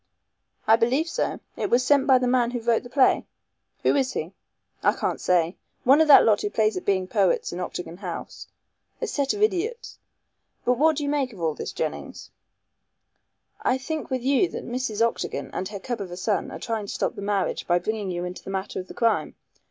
"I believe so. It was sent by the man who wrote the play." "Who is he?" "I can't say. One of that lot who play at being poets in Octagon House. A set of idiots. But what do you make of all this, Jennings?" "I think with you that Mrs. Octagon and her cub of a son are trying to stop the marriage by bringing you into the matter of the crime.